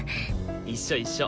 一緒一緒。